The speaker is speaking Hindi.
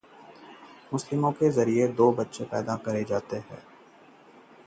कर्ज से परेशान पिता ने दो बच्चों का कत्ल कर खुदकुशी की